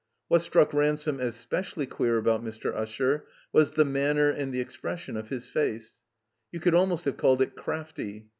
What struck Ran some as specially queer about Mr. Usher was his manner and the expression of his face. You could almost have called it crafty.